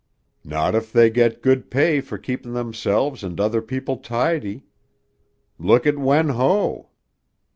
"Not if they get good pay for keeping themselves and other people tidy. Look at Wen Ho."